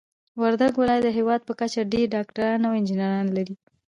وردګ ولايت د هيواد په کچه ډير ډاکټران او انجنيران لري.